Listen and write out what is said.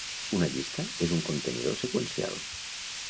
Una llista és un contenidor seqüencial.